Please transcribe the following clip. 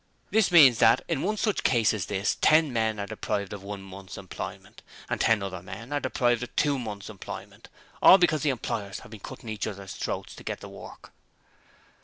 'This means that in one such case as this ten men are deprived of one month's employment; and ten other men are deprived of two months' employment; and all because the employers have been cutting each other's throats to get the work.'